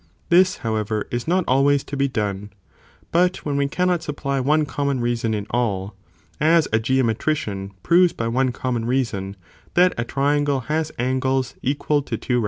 This, however, is not always to done, but when we cannot supply one common reason in a as a geometrician (proves by one common reason, that a triangle has angles equal to two right).